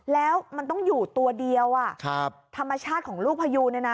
แล้วมันต้องอยู่ตัวเดียวธรรมชาติของลูกพยูนเนี่ยนะ